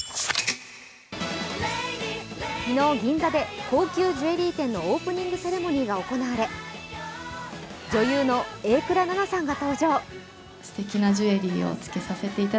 昨日、銀座で高級ジュエリー店のオープニングセレモニーが行われ女優の榮倉奈々さんが登場。